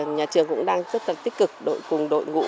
nhà trường cũng đang rất tích cực cùng đội ngũ